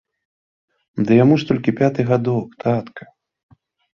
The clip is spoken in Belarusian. Ды яму ж толькі пяты гадок, татка.